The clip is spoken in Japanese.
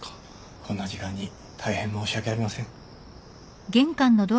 こんな時間に大変申し訳ありません。